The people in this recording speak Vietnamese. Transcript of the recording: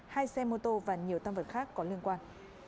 hai xe mô tô và nhiều tam vật khác có liên quan